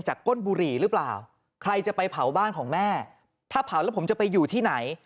ก้นบุหรี่หรือเปล่าใครจะไปเผาบ้านของแม่ถ้าเผาแล้วผมจะไปอยู่ที่ไหน